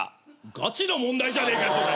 ガチの問題じゃねえかよそれ！